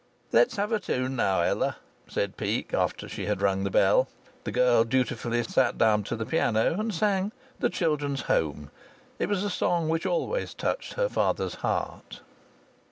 "Let's have a tune now, Ella," said Peake, after she had rung the bell. The girl dutifully sat down to the piano and sang "The Children's Home." It was a song which always touched her father's heart.